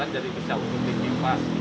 jadi bisa menggunakan kipas